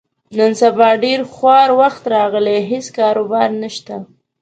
نن سبا ډېر خوار وخت راغلی، هېڅ کاروبار نشته.